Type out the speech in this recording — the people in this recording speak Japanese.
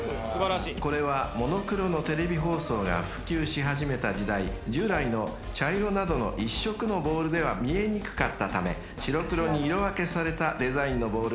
［これはモノクロのテレビ放送が普及し始めた時代従来の茶色などの１色のボールでは見えにくかったため白黒に色分けされたデザインのボールが開発されたそうです］